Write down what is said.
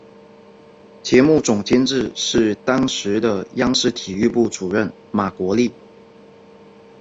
节目总监制是当时的央视体育部主任马国力。